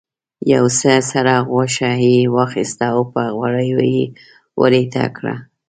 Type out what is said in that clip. یو څه سره غوښه یې واخیسته او په غوړیو یې ویریته کړه.